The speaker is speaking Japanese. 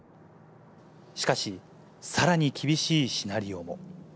しかし、さらに厳しいシナリオも。